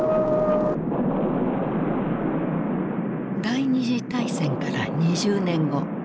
第二次大戦から２０年後。